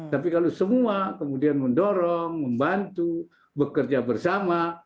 tapi kalau semua kemudian mendorong membantu bekerja bersama